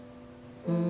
うん。